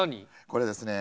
これですね